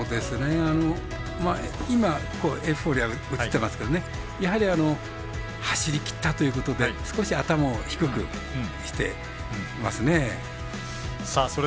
今、エフフォーリアが映ってますけどねやはり走りきったということで少し頭を低くしていますね。